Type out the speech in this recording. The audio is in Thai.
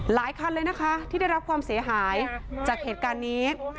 หลายคันเลยนะคะที่ได้รับความเสียหายจากเหตุการณ์นี้